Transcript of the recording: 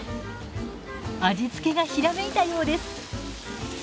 味付けがひらめいたようです。